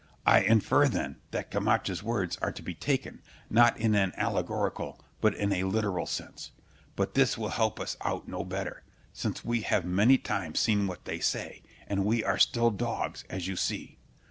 I infer, then, that Camacha's words are to be taken, not in an allegorical, but in a literal, sense; but this will help us out no better, since we have many times seen what they say, and we are still dogs, as you see.